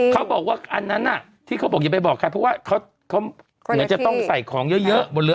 เขาบอกว่าอันนั้นที่เขาบอกอย่าไปบอกใครเพราะว่าเขาเหมือนจะต้องใส่ของเยอะบนเรือ